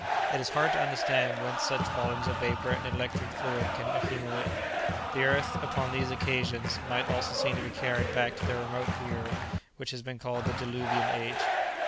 It is hard to understand whence such volumes of vapour and electric fluid can accumulate. The earth, upon these occasions, might almost seem to be carried back to the remote period which has been called "the diluvian age."